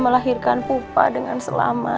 semua orang kamu bisa mama